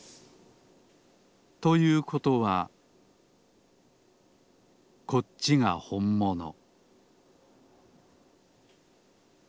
ということはこっちがほんもの